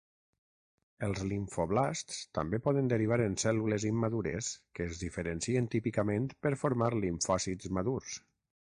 Els limfoblasts també poden derivar en cèl·lules immadures que es diferencien típicament per formar limfòcits madurs.